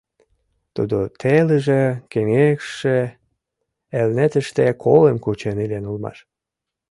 Тудо телыже, кеҥежше Элнетыште колым кучен илен улмаш.